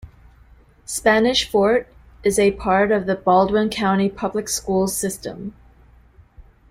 Spanish Fort is a part of the Baldwin County Public Schools system.